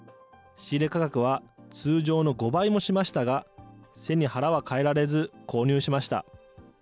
仕入れ価格は通常の５倍もしましたが、背に腹は変えられず購入しました。